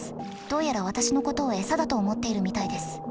どうやら私のことを餌だと思っているみたいです。